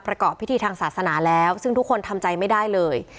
ประกอบพิธีทางศาสนาแล้วซึ่งทุกคนทำใจไม่ได้เลย